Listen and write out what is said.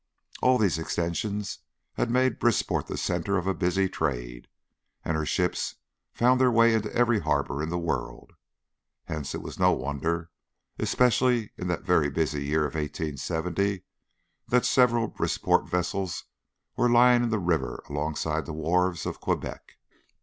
All these extensions had made Brisport the centre of a busy trade, and her ships found their way into every harbour in the world. Hence it was no wonder, especially in that very busy year of 1870, that several Brisport vessels were lying in the river and alongside the wharves of Quebec.